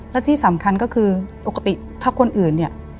และที่สำคัญก็คือปกติถ้าคนอื่นเนี่ย